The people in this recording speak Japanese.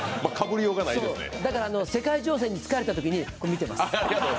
だから世界情勢に疲れたときに見てます。